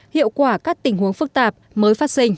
hiệu quả các tình huống phức tạp mới phát sinh